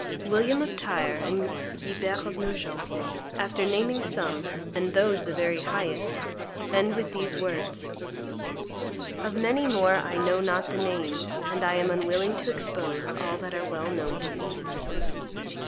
William of Tyre and Guibert of Nogent, after naming some, and those the very highest, end with these words: "Of many more I know not the names, and I am unwilling to expose all that are well known to me."